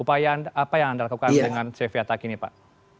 apa yang anda lakukan dengan cv ataki ini pak